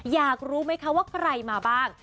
อยากรู้ไหมคะว่าใครมาบ้าง